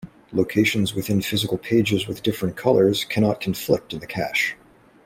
Locations within physical pages with different colors cannot conflict in the cache.